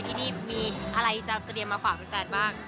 ที่นี่มีอะไรจะเตรียมมาฝากแฟนบ้าง